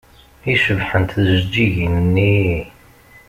I cebḥent tjeǧǧigin-nni!